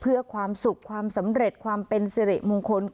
เพื่อความสุขความสำเร็จความเป็นสิริมงคล